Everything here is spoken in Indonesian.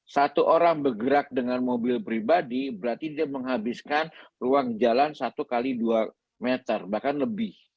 satu orang bergerak dengan mobil pribadi berarti dia menghabiskan ruang jalan satu x dua meter bahkan lebih